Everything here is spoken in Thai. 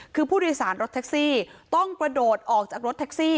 คือผู้โดยสารรถแท็กซี่ต้องกระโดดออกจากรถแท็กซี่